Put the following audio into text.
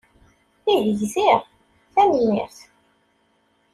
Ih, gziɣ. Tanemmirt.